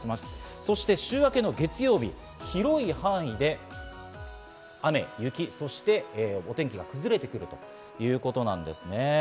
そして週明け月曜日、広い範囲で雨や雪、お天気が崩れてくるということなんですね。